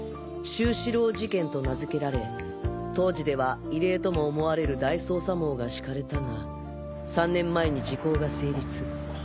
愁思郎事件」と名付けられ当時では異例とも思われる大捜査網が敷かれたが３年前に時効が成立。